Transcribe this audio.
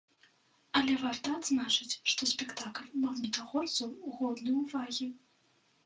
Але варта адзначыць, што спектакль магнітагорцаў годны ўвагі.